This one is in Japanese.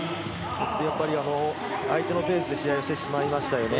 相手のペースで試合してしまいましたよね。